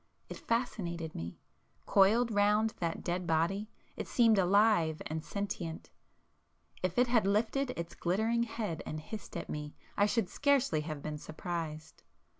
It fascinated me,——coiled round that dead body it seemed alive and sentient,—if it had lifted its glittering head and hissed at me I should scarcely have been surprised.